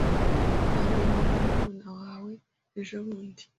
Nabonye murumuna wawe ejobundi.